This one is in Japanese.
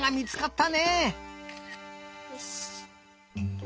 よし！